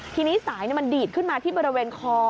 ทีนี้สายมันดีดขึ้นมาที่บริเวณคอ